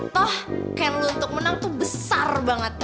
toh keren lo untuk menang tuh besar banget